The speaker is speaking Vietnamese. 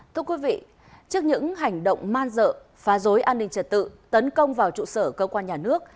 thưa quý vị trước những hành động man dợ phá rối an ninh trật tự tấn công vào trụ sở cơ quan nhà nước